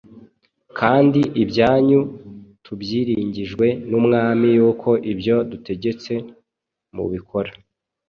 Kandi ibyanyu tubyiringijwe n’Umwami, yuko ibyo dutegetse mubikora,